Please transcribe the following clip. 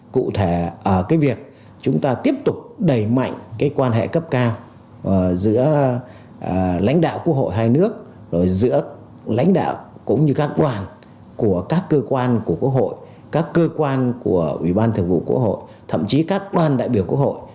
cụ thể ở việc chúng ta tiếp tục đẩy mạnh quan hệ cấp cao giữa lãnh đạo quốc hội hai nước giữa lãnh đạo cũng như các quan của các cơ quan của quốc hội các cơ quan của ủy ban thực vụ quốc hội thậm chí các quan đại biểu quốc hội